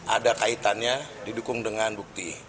ada kaitannya didukung dengan bukti